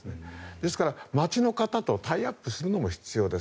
ですから、街の方とタイアップするのも必要です。